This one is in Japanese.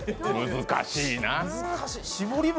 難しいなあ。